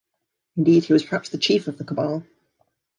Indeed, he was perhaps the chief of the cabal.